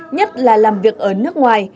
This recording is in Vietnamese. nhất là làm việc ở nước ngoài